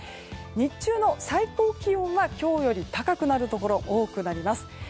日中の最高気温は今日より高くなるところが多くなります。